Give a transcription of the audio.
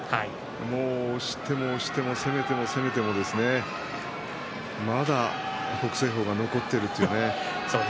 押しても押しても攻めても攻めてもまだ北青鵬が残っているというね。